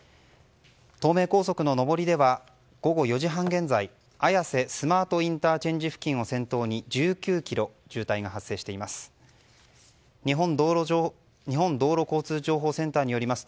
東名高速の上りでは午後４時半現在綾瀬スマートＩＣ付近を先頭に１９ｋｍ、渋滞が発生しています。